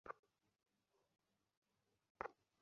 মফস্বল শহরে এইসব চাপা থাকে না।